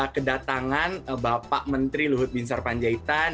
kedatangan bapak menteri luhut bin sarpanjaitan